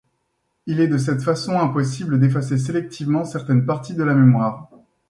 Il est de cette façon impossible d'effacer sélectivement certaines parties de la mémoire.